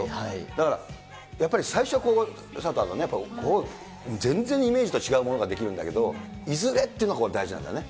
だからやっぱり最初、スタートは全然イメージとは違うものができるんだけど、いずれってのがこれ、大事なんだね。